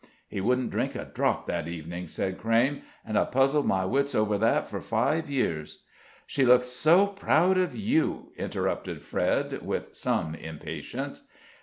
"He wouldn't drink a drop that evening," said Crayme, "and I've puzzled my wits over that for five years " "She looked so proud of you" interrupted Fred, with some impatience.